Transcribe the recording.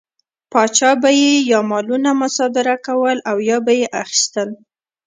پاچا به یې یا مالونه مصادره کول او یا به یې اخیستل.